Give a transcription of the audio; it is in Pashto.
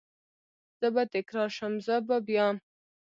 زه به تکرار شم، زه به بیا،